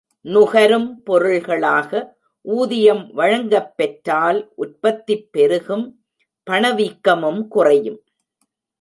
நுகரும் பொருள்களாக, ஊதியம் வழங்கப்பெற்றால் உற்பத்திப் பெருகும் பணவீக்கமும் குறையும்.